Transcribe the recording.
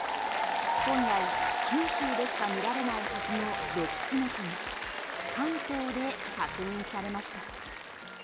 本来、九州でしか見られないはずの毒キノコが関東で確認されました。